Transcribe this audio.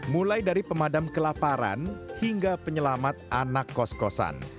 mulai dari pemadam kelaparan hingga penyelamat anak kos kosan